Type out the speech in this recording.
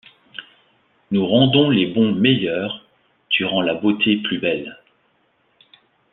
Nous rendons les bons meilleurs, Tu rends la beauté plus belle.